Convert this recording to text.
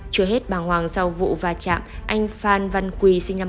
chưa hết bàng hoàng sau vụ va chạm anh phan văn quỳ sinh năm một nghìn chín trăm chín mươi